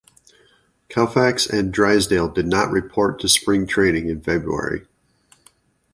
Koufax and Drysdale did not report to spring training in February.